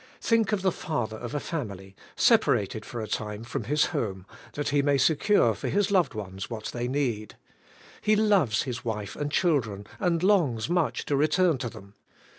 Think of the father of a family, separated for a time from his home, that he may secure for his loved ones what they need. He loves his wife and children, and longs much to return to them.